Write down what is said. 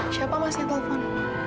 siapa mas yang telepon